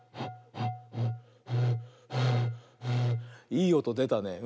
いいおとでたね。